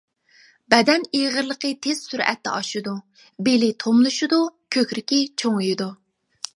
بەدەن ئېغىرلىقى تېز سۈرئەتتە ئاشىدۇ، بېلى توملىشىدۇ، كۆكرىكى چوڭىيىدۇ.